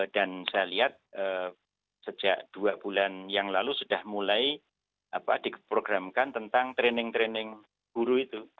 dan saya lihat sejak dua bulan yang lalu sudah mulai diprogramkan tentang training training guru itu